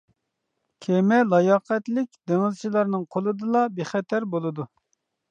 كېمە لاياقەتلىك دېڭىزچىلارنىڭ قولىدىلا بىخەتەر بولىدۇ.